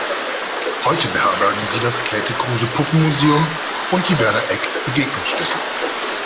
Heute beherbergen sie das Käthe-Kruse-Puppen-Museum und die Werner-Egk-Begegnungsstätte.